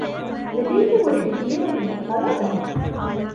لديهم الكثير من الطلبة.